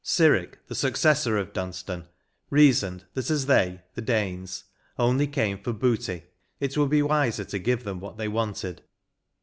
SiRic the successor of Dunstan, reasoned that as they (the Danes) only came for booty, it would be wiser to give them what they wanted.